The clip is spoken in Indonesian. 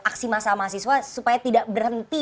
aksi masa mahasiswa supaya tidak berhenti